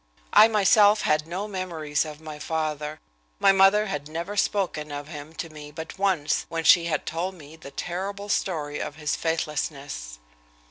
I, myself, had no memories of my father. My mother had never spoken of him to me but once, when she had told me the terrible story of his faithlessness.